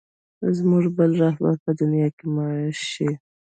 زموږ بل رهبر په دنیا کې مه شې.